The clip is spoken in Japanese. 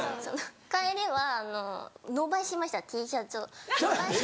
帰りは伸ばしましたＴシャツを。